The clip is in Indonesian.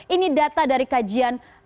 ini data dari kajian